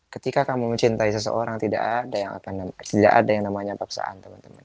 ketika kamu mencintai seseorang tidak ada yang namanya paksaan